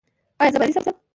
ایا زه باید ستړی شم؟